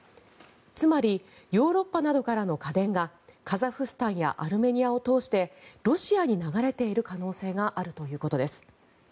つまりヨーロッパなどからの家電がカザフスタンやアルメニアを通してロシアに流れている可能性があるということです。